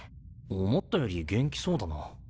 思ったより元気そうだな。